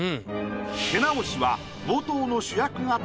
手直しは。